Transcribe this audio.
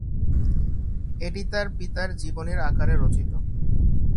এটি তাঁর পিতার জীবনীর আকারে রচিত।